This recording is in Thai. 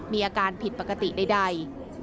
มีอาการผิดปกติใด